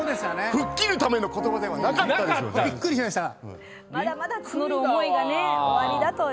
吹っ切るための言葉ではなかったですよね。